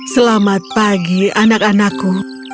selamat pagi anak anakku